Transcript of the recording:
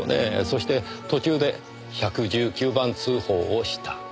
そして途中で１１９番通報をした。